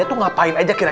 itu eh enak aja